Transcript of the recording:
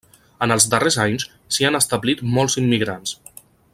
En els darrers anys s'hi han establit molts immigrants.